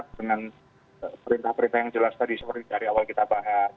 dengan perintah perintah yang jelas tadi seperti dari awal kita bahas